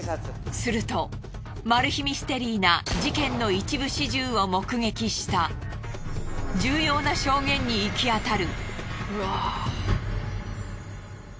するとマル秘ミステリーな事件の一部始終を目撃した重要な証言に行き当たる。